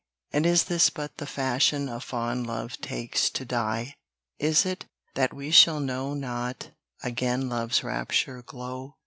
And is this but the fashion A fond love takes to die? Is it, that we shall know not Again love's rapture glow?